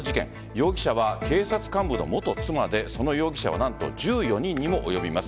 容疑者は警察幹部の元妻でその被害者は何と１４人にも及びます。